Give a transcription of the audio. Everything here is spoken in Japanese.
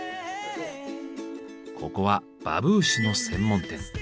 ここはバブーシュの専門店。